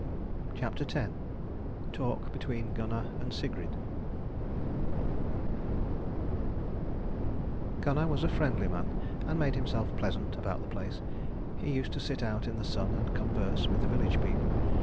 CHAPTER X TALK BETWEEN GUNNAR AND SIGRID Gunnar was a friendly man and made himself pleasant about the place. He used to sit out in the sun and converse with the village people.